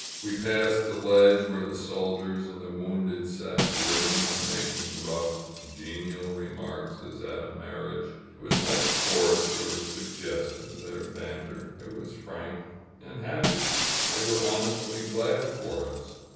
We passed the ledge where the soldiers and the wounded sat, grinning and making rough, genial remarks as at a marriage. It was not coarse or suggestive, their ban ter ; it was frank and happy. They were honestly glad for us.